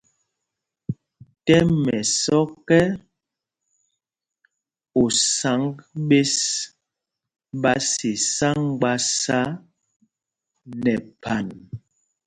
Tɛ́m ɛsɔ́k ɛ, osǎŋg ɓes ɓá sisá mgbásá nɛ phan.